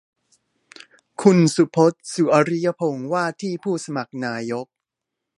คุณสุพจน์ สุอริยพงษ์ ว่าที่ผู้สมัครนายก